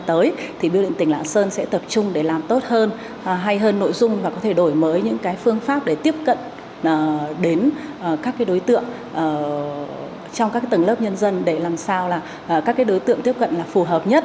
thì biêu điện tỉnh lạng sơn sẽ tập trung để làm tốt hơn hay hơn nội dung và có thể đổi mới những cái phương pháp để tiếp cận đến các đối tượng trong các tầng lớp nhân dân để làm sao là các cái đối tượng tiếp cận là phù hợp nhất